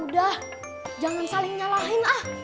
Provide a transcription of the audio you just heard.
udah jangan saling nyalahin ah